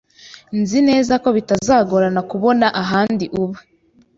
Nzi neza ko bitazagorana kubona ahandi uba.